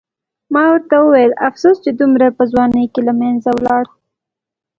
ما ورته وویل: افسوس چې دومره په ځوانۍ کې له منځه ولاړ.